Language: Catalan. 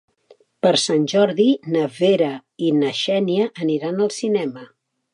Per Sant Jordi na Vera i na Xènia aniran al cinema.